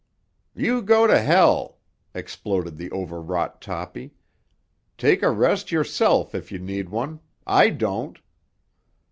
"You go to ——!" exploded the overwrought Toppy. "Take a rest yourself if you need one; I don't."